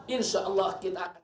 insya allah kita akan